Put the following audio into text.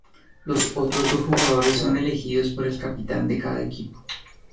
Los otros dos jugadores son elegidos por el capitán de cada equipo.